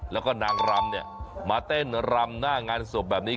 แล้วก็นางรำเนี่ยมาเต้นรำหน้างานศพแบบนี้